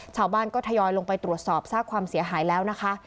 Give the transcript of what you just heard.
ชาวบ้านก็ทยอยลงไปตรวจสอบซากความเสียหายแล้วนะคะ